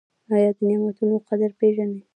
ایا د نعمتونو قدر پیژنئ؟